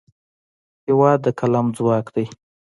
هېواد د قلم ځواک دی.